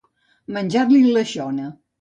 Menjar-li la xona.